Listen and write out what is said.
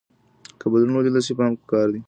که بدلون ولیدل شي پام پکار دی.